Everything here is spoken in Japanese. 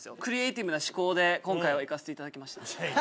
クリエイティブな思考で今回は行かせていただきました。